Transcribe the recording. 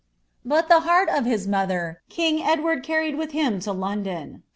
But the heart of his mother king Edward carried lim to London.